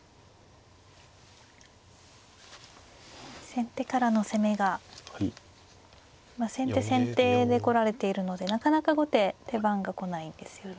先手からの攻めが今先手先手で来られているのでなかなか後手手番が来ないんですよね。